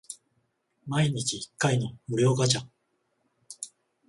毎日一回の無料ガチャ